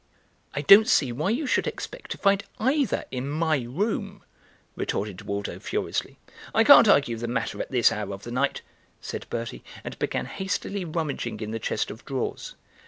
"I don't see why you should expect to find either in my room," retorted Waldo furiously. "I can't argue the matter at this hour of the night," said Bertie, and began hastily rummaging in the chest of drawers.